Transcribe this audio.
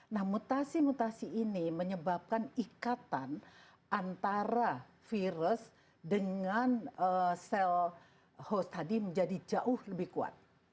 nah mutasi mutasi ini menyebabkan ikatan antara virus dengan sel host tadi menjadi jauh lebih kuat